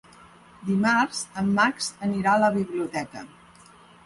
Dimarts en Max anirà a la biblioteca.